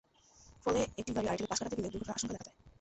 ফলে একটি গাড়ি আরেকটিকে পাশ কাটাতে গেলে দুর্ঘটনার আশঙ্কা দেখা দেয়।